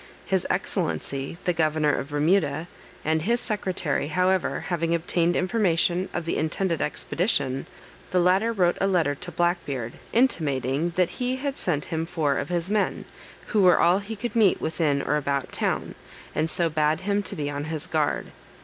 His excellency the governor of Bermuda, and his secretary, however, having obtained information of the intended expedition, the latter wrote a letter to Black Beard, intimating, that he had sent him four of his men, who were all he could meet within or about town, and so bade him be on his guard.